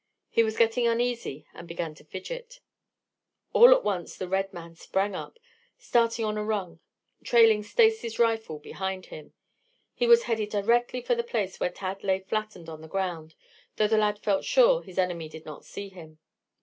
He was getting uneasy and began to fidget. All at once the red man sprang up, starting on a run, trailing Stacy's rifle behind him. He was headed directly for the place where Tad lay flattened on the ground, though the lad felt sure his enemy did not see him.